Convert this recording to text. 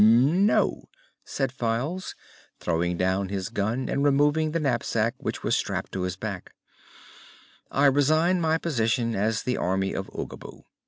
"No," said Files, throwing down his gun and removing the knapsack which was strapped to his back, "I resign my position as the Army of Oogaboo.